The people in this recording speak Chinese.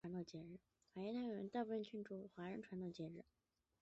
华裔泰国人大部分仍庆祝华人传统节日。